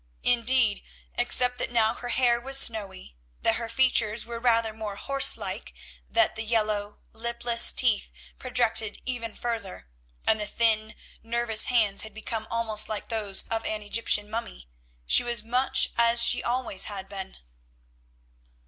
Indeed, except that now her hair was snowy, that her features were rather more horse like, that the yellow, lipless teeth projected even further, and the thin nervous hands had become almost like those of an Egyptian mummy, she was much as she always had been.